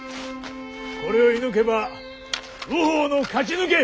これを射ぬけば右方の勝ち抜け！